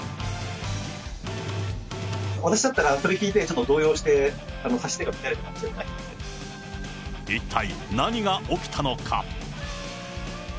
私だったらそれ聞いてちょっと動揺して、指し手が乱れたかも一体、何が起きたのか。